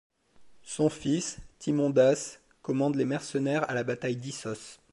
Son fils, Thymondas, commande les mercenaires à la bataille d'Issos.